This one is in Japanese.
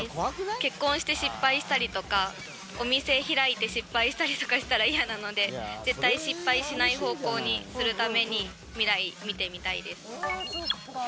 結婚して失敗したりとか、お店開いて失敗したりとかしたら嫌なので、絶対失敗しない方向にするために、未来見てみたいです。